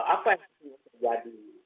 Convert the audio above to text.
apa yang harus terjadi